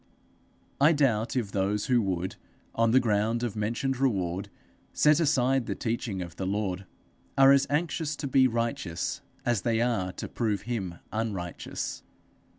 I doubt if those who would, on the ground of mentioned reward, set aside the teaching of the Lord, are as anxious to be righteous as they are to prove him unrighteous.